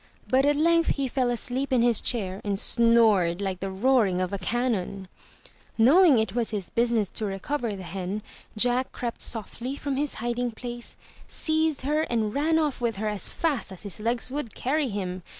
But at length he fell asleep in his chair and snored like the roaring of a cannon. Knowing it was his business to recover the hen. Jack crept softly from his hiding place, seized her and ran off with her as fast as his legs would carry him.